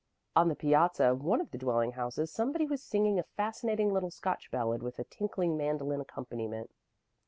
On the piazza of one of the dwelling houses somebody was singing a fascinating little Scotch ballad with a tinkling mandolin accompaniment.